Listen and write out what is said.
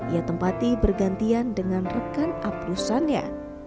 ia tempati bergantian dengan rekan aprusannya